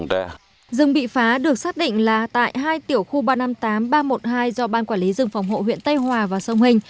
rừng bị phá được xác định là tại hai tiểu khu ba trăm năm mươi tám ba trăm một mươi hai do ban quản lý rừng phòng hộ huyện tây hòa và sông hình